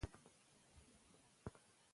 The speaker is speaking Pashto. که په ټولنه کې غلا نه وي نو امنیت راځي.